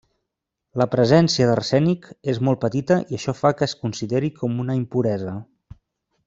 La presència d'arsènic és molt petita i això fa que es consideri com una impuresa.